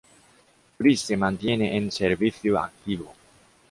Chris se mantiene en servicio activo.